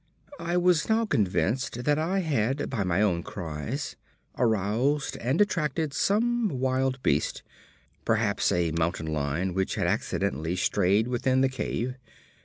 I was now convinced that I had by my own cries aroused and attracted some wild beast, perhaps a mountain lion which had accidentally strayed within the cave.